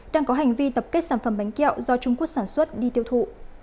đang có hành vi tập kết sản phẩm bánh kẹo do trung quốc sản xuất đi tiêu thụ